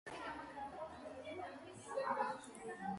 მარმარისი შემდგომში შევიდა ბიზანტიის იმპერიის შემადგენლობაში.